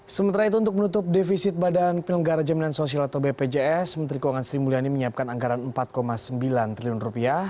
sementara itu untuk menutup defisit badan pnlg menteri keuangan sri mulyani menyiapkan anggaran empat sembilan triliun rupiah